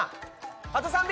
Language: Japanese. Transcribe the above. あと３匹！